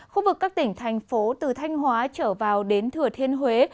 khu vực các tỉnh thành phố từ thanh hóa trở vào đến thừa thiên huế